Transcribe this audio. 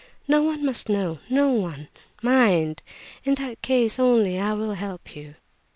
No one must know—no one, mind! In that case only, I will help you."